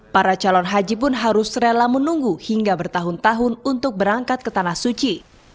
para calon haji pun harus rela menunggu hingga bertahun tahun untuk berangkat ke tanah suci